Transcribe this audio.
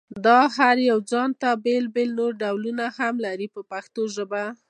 دا هر یو ځانته نور بېل بېل ډولونه هم لري په پښتو ژبه.